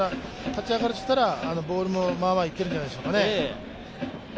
立ち上がりとしたらボールもまあまあいってるんじゃないですかね。